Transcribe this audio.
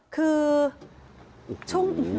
คือช่วง